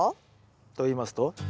といいますと？